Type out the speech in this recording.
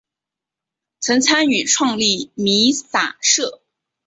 曾参与创立弥洒社。